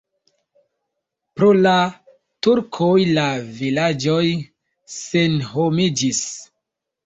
Pro la turkoj la vilaĝoj senhomiĝis.